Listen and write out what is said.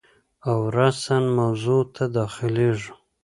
او راساً موضوع ته داخلیږو.